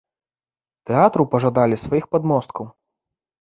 Тэатру пажадалі сваіх падмосткаў.